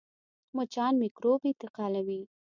مچان میکروب انتقالوي